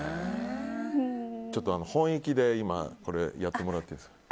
ちょっと本意気でこれをやってもらってもいいですか。